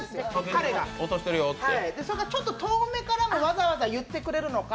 それか、ちょっと遠目からもわざわざ言ってくれるのか。